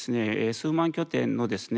数万拠点のですね